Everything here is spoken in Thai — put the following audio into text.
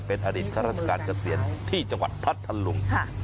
เป็นอดิษฐการเกษียณที่จังหวัดพัทธรรม